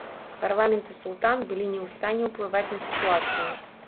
Парламент і султан былі не ў стане ўплываць на сітуацыю.